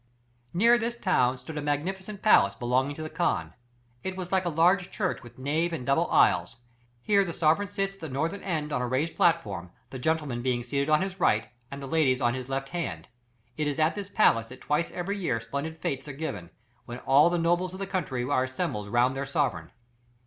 Near this town stood a magnificent palace, belonging to the khan; it was like a large church with nave and double aisles, here the sovereign sits at the northern end on a raised platform, the gentlemen being seated on his right, and the ladies on his left hand. It is at this palace that twice every year splendid fêtes are given, when all the nobles of the country are assembled round their sovereign.